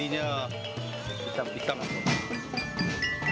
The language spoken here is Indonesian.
dianggap sebagai perang yang berguna